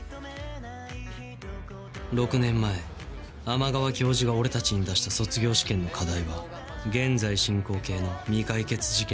６年前天川教授が俺たちに出した卒業試験の課題は現在進行形の未解決事件だった。